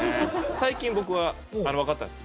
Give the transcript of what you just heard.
最近僕はわかったんです。